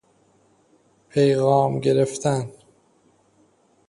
پیغام گرفتن